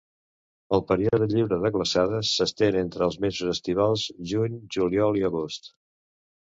El període lliure de glaçades s'estén entre els mesos estivals: juny, juliol i agost.